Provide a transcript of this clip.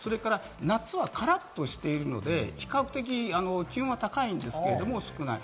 夏はからっとしているので、比較的、気温は高いんですけれども、少ない。